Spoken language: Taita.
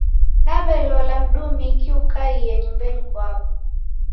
Naw'elola mdumiki ukaie nyumbenyi kwapo.